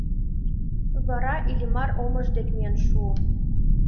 Вара Иллимар омыж дек миен шуо.